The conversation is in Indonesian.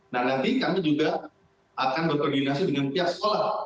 nah nanti kami juga akan berkoordinasi dengan pihak sekolah